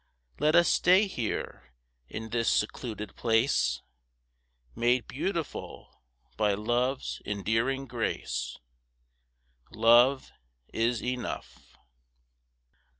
Let us stay here in this secluded place Made beautiful by love's endearing grace! Love is enough.